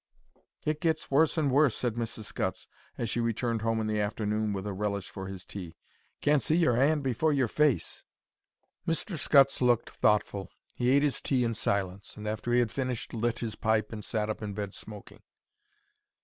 "It gets worse and worse," said Mrs. Scutts, as she returned home in the afternoon with a relish for his tea. "Can't see your 'and before your face." Mr. Scutts looked thoughtful. He ate his tea in silence, and after he had finished lit his pipe and sat up in bed smoking.